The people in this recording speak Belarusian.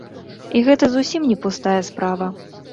І гэта зусім не пустая справа.